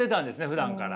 ふだんから。